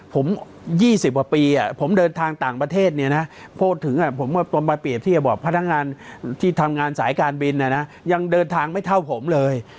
ผมยี่สิบออกปีอ่ะผมเดินทางต่างประเทศเนี่ยนะโพธิ์ถึงอ่ะผมว่าต้องมาเปรียบที่จะบอกพนักงานที่ทำงานสายการบินอ่ะนะยังเดินทางไม่เท่าผมเลย